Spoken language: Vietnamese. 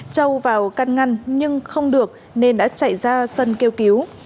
châu vào căn ngăn nhưng không được nên đã chạy ra sân kêu cứu